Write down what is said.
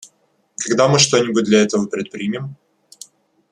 Когда мы что-нибудь для этого предпримем?